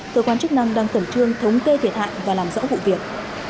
cơ quan chức năng đang khẩn trương thống kê thiệt hại và làm rõ vụ việc